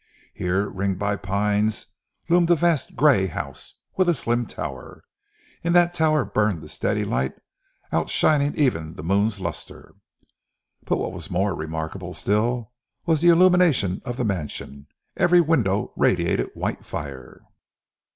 Here, ringed by pines, loomed a vast grey house, with a slim tower. In that tower burned the steady light outshining even the moon's lustre. But what was more remarkable still, was the illumination of the mansion. Every window radiated white fire.